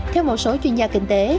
theo một số chuyên gia kinh tế